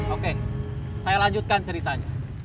oke saya lanjutkan ceritanya